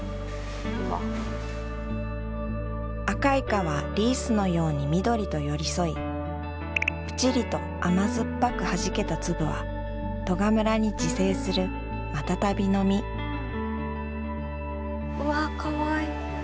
赤烏賊はリースのように緑と寄り添いプチリと甘酸っぱく弾けた粒は利賀村に自生するマタタビの実うわかわいい。